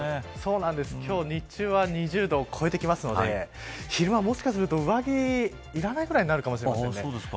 今日、日中は２０度を超えてきますので昼間、もしかすると上着いらないぐらいになるかもしれません。